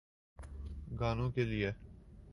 گانوں کیلئے۔